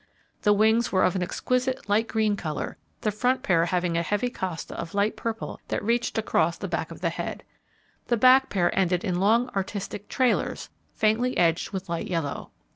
The wings were of an exquisite light green colour; the front pair having a heavy costa of light purple that reached across the back of the head: the back pair ended in long artistic 'trailers,' faintly edged with light yellow.